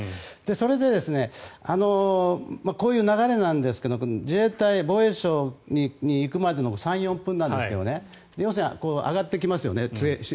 それで、こういう流れなんですが自衛隊、防衛省に行くまでの３４分なんですが要するに上がってきますよね